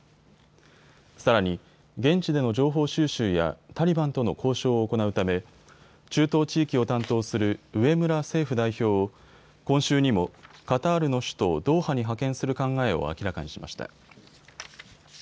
さらに現地での情報収集やタリバンとの交渉を行うため中東地域を担当する上村政府代表を今週にもカタールの首都ドーハに派遣する考えを明らかにしました。